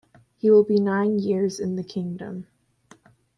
He will be nine years in the kingdom.